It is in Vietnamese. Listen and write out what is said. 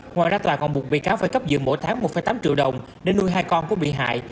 ngoài ra tòa còn buộc bị cáo phải cấp dưỡng mỗi tháng một tám triệu đồng để nuôi hai con của bị hại